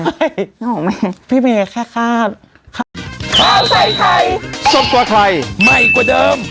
หรอแม่พี่เมย์แค่คาดค่ะข้าวไทยไทยสดกว่าไทยใหม่กว่าเดิม